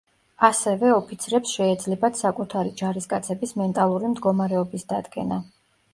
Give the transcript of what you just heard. ასევე ოფიცრებს შეეძლებათ საკუთარი ჯარისკაცების მენტალური მდგომარეობის დადგენა.